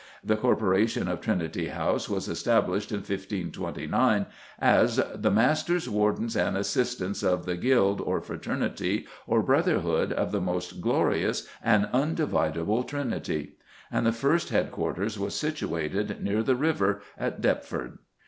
The corporation of Trinity House was established in 1529 as "The Masters, Wardens, and Assistants of the Guild, or Fraternity, or Brotherhood of the Most Glorious and Undividable Trinity," and the first headquarters was situated near the river, at Deptford.